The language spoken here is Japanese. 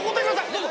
どうぞ！